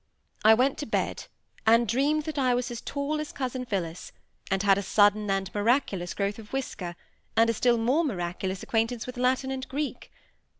I went to bed, and dreamed that I was as tall as cousin Phillis, and had a sudden and miraculous growth of whisker, and a still more miraculous acquaintance with Latin and Greek.